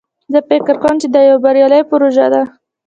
زه فکر کوم چې دا یوه بریالی پروژه ده